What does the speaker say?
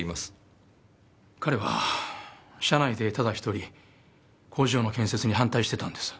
彼は社内でただ１人工場の建設に反対してたんです。